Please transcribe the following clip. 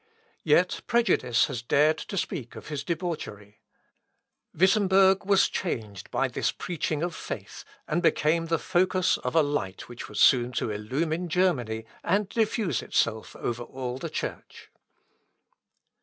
Yet prejudice has dared to speak of his debauchery. Wittemberg was changed by this preaching of faith, and became the focus of a light which was soon to illumine Germany, and diffuse itself over all the Church.